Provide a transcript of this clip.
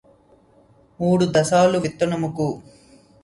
మూడు దశలు విత్తమునకు